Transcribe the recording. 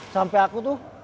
sampai aku tuh